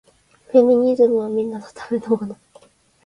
フェミニズムはみんなのためのもの